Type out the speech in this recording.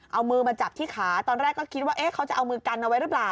เอามือมาจับที่ขาตอนแรกก็คิดว่าเขาจะเอามือกันเอาไว้หรือเปล่า